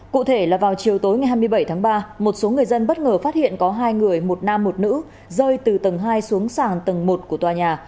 cụ thể là vào chiều tối ngày hai mươi bảy tháng ba một số người dân bất ngờ phát hiện có hai người một nam một nữ rơi từ tầng hai xuống sàng tầng một của tòa nhà